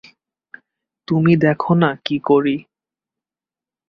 তুমি দেখ না কী করি।